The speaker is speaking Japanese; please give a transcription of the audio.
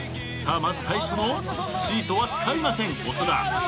まず最初のシーソーは使いません長田。